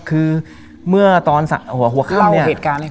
คือเมื่อตอนหัวข้ำเนี่ย